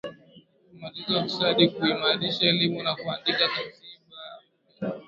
Kumaliza ufisadi kuimarisha elimu na kuandika katiba mpya